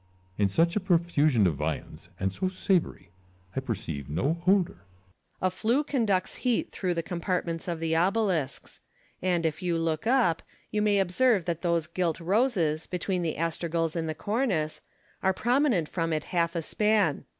Ccesar. In such a profusion of viands, and so savoury, I perceive no odour. Luculhis. A flue conducts heat through the compart ments of the obelisks ; and, if you look up, you may observe that those gilt roses, between the astragals in the cornice, are prominent from it half a span.